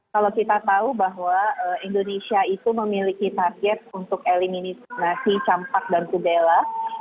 kalau kita tahu bahwa indonesia itu memiliki target untuk eliminasi campak dan kudela